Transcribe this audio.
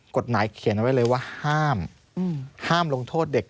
กฎหมายเขียนเอาไว้เลยว่าห้ามห้ามลงโทษเด็ก